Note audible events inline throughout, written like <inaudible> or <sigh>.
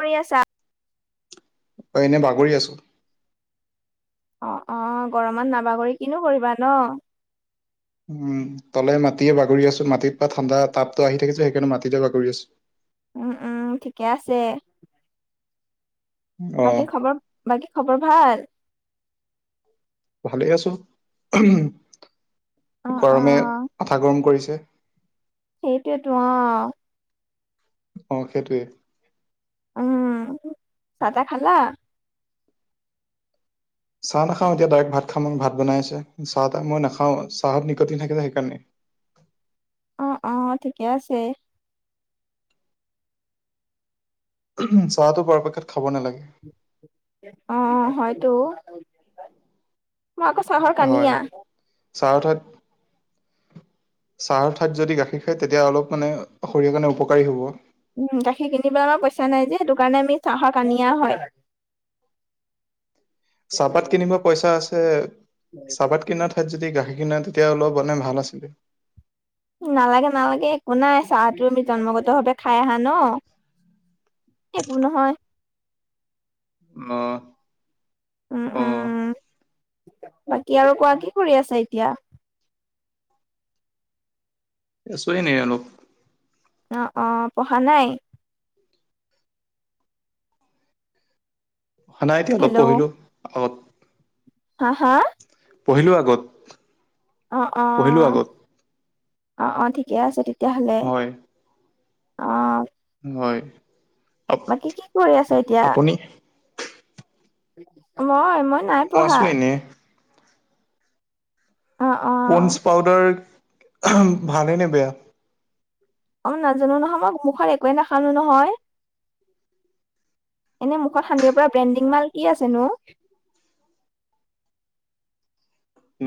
কৰি আছা? অ এনে বাগৰি আছোঁ। অ, অ, গৰমত নাবাগৰি কিনো কৰিবা ন'! উম, তলে-মাটিয়ে বাগৰি আছো, মাটিত পা ঠাণ্ডা তাপটো আহি থাকে যে সেইকাৰণে মাটিতে বাগৰি আছো। উম উম, ঠিকে আছে। অ বাকী খবৰ, বাকী খবৰ ভাল? ভালেই আছো, উহুম, অ অ গৰমে মাথা গৰম কৰিছে। সেইটোয়েতো অ'। অ, সেইটোয়ে। উম, চাহ-টা খালা? চাহ নাখাওঁ এতিয়া ডাইৰেক্ট ভাত খাম মই। ভাত বনাই আছে, চাহ- তাহ মই নাখাওঁ। চাহত নিকটিন থাকে যে সেইকাৰণে। অ অ, ঠিকে আছেই। চাহটো পৰাপেক্ষত খাব নালাগে। অ হয়তো, মই আকৌ চাহৰ হয় কানিয়া। চাহৰ ঠাইত চাহৰ ঠাইত যদি গাখীৰ খায় তেতিয়া অলপ মানে শৰীৰৰ কাৰণে উপকাৰী হ'ব। উম, গাখীৰ কিনিবলৈ আমাৰ পইচা নাই যে সেইটো কাৰণে আমি চাহৰ কানিয়া হয়। <inaudible> চাহপাত কিনিব পইচা আছে, চাহপাত কিনাৰ ঠাইত যদি গাখীৰ কিনা তেতিয়া অলপ মানে ভাল আছিলে। নালাগে নালাগে, একো নাই চাহটো আমি জন্মগত ভাৱে খাই আহা ন'। একো নহয়। অহ উম উম, বাকী আৰু কোৱা কি কৰি আছা এতিয়া? আছো এনেই অলপ। অহ অহ, পঢ়া নাই? সদায় এতিয়া হেল্ল'। নপঢ়িলো, আ হা হা পঢ়িলো আগত অহ পঢ়িলো অহ, আগত অ অ ঠিকে আছে তেতিয়াহলে হয় অহ হয় আপ- বাকী কি কৰি আছা এতিয়া, আপুনি মই মই নাই মই পঢ়া আছো এনে অ অ পন্দছ পাউদাৰ ভালে নে বেয়া অহ নাজানো নহয় মই, মুখত একোৱে নাহানো নহয়। এনে মুখত সানিব পৰা ব্ৰেণ্ডিং মাল কি আছেনো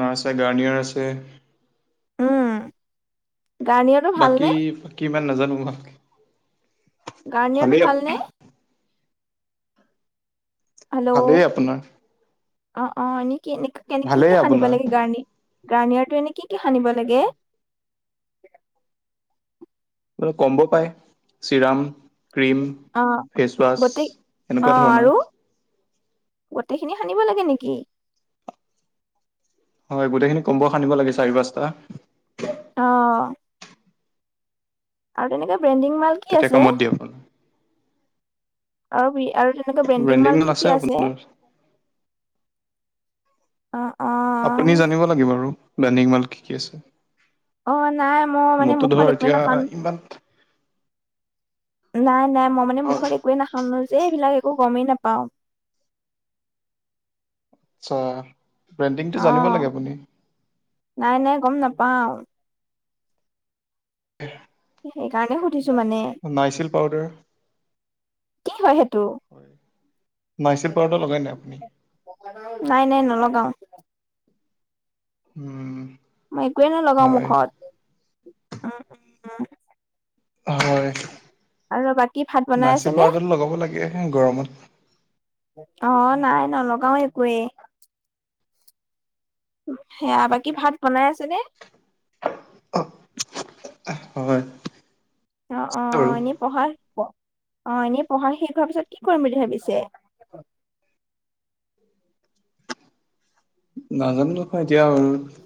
নাই আছে, গাৰ্নিয়াৰ আছে। উম, গাৰ্নিয়াৰ বাকী ফাকী ইমান নাজানো মই গাৰ্ণিয়াৰটো ভাল নে? হেল্ল, ভালেই আপোনাৰ অ অ এনেকে এনে কেনেকে ভালেই সানিব আপোনাৰ লাগে গাৰ্ণিয়াৰ গাৰ্নিয়াৰটো এনে কি কি সানিব লাগে? অৰু কম্বো পাই চিৰাম। ক্ৰীম, অ গোটেই ফেচৱাছ অ এনেকুৱা ধৰণৰ আৰু গোটেইখিনি সানিব লাগে নেকি? হয়, গোটেইখিনি কম্ব সানিবলে বিচাৰিবা চোৱা অহ আৰু তেনেকে ব্ৰেণ্ডিং মাল কি তেতিয়া আছে, কামত দিয়ে আপোনাৰ আৰু কি আৰু এনেকুৱা ব্ৰেণ্ডিং মাল কি কি আছে? অহ অহ আপুনি জানিব লাগিব আৰু ব্ৰেণ্ডিং মাল কি কি আছে অ নাই, মই মানে মোৰতো মুখত ধৰ একোৱেই এতিয়া নাহানোঁ ইমান নাই নাই, মই মানে মুখত একোৱে নাহানো যে এইবিলাক একো গমেই নাপাওঁ। আচ্ছা ব্ৰেণ্ডিংটো জানিব অ', লাগে আপুনি নাই নাই গম নাপাওঁ উম। সেইকাৰণে সুধিছো মানে নাইছিলি পাউদাৰ কি হয় সেইটো? নাইচিল পাউদাৰ লগাই নাই নাই নাই নলগাওঁ উম মই একোৱেই নলগাওঁ হয় মুখত উম। হয়, আৰু বাকী ভাত বনাই আছে নাইছিল নে? পাউদাৰটো লগাব লাগেহে গৰমত অহ নাই, নলগাওঁ একোৱেই সেয়া বাকী ভাত বনাই আছে নে। অ', হয়। অ অ বাৰু এনে পঢ়াৰ অ এনে পঢ়া শেষ হোৱাৰ পিছত কি কৰিম বুলি ভাবিছে। নাজানো নহয় এতিয়া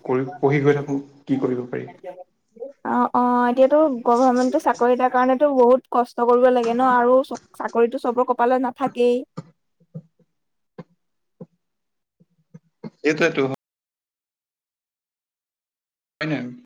কৰি পঢ়ি গৈ থাকো কি কৰিব পাৰি। অ অ এতিয়াতো গভৰমেণ্টৰ চাকৰি এটাৰ কাৰণেতো বহুত কষ্ট কৰিব লাগে ন আৰু। চাকৰিতো চবৰ কপালত নাথাকেই। এইটোয়েটো। হয়নে।